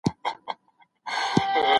څنګه ښوونکي د ماشومانو درناوی کوي؟